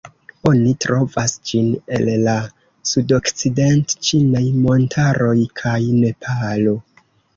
Oni trovas ĝin en la Sudokcident-ĉinaj Montaroj kaj Nepalo.